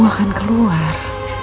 kamu akan keluar